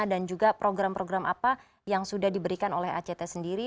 dan juga program program apa yang sudah diberikan oleh akct sendiri